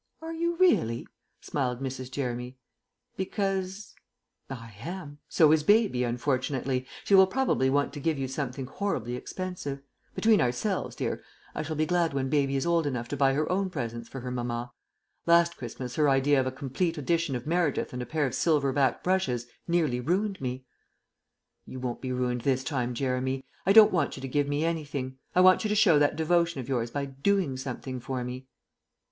"Are you really?" smiled Mrs. Jeremy. "Because " "I am. So is Baby, unfortunately. She will probably want to give you something horribly expensive. Between ourselves, dear, I shall be glad when Baby is old enough to buy her own presents for her mamma. Last Christmas her idea of a complete edition of Meredith and a pair of silver backed brushes nearly ruined me." "You won't be ruined this time, Jeremy. I don't want you to give me anything; I want you to show that devotion of yours by doing something for me."